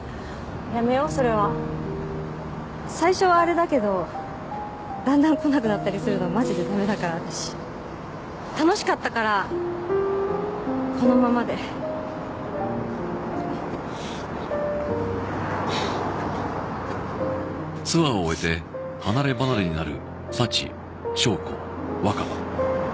やめようそれは最初はあれだけどだんだん来なくなったりするのマジでダメだから私楽しかったからこのままでかわいいかわいいよねめっちゃかわいいやばくない？